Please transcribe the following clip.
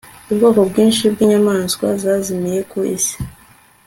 ubwoko bwinshi bwinyamaswa zazimiye ku isi